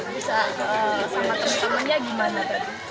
bisa sama teman temannya gimana tadi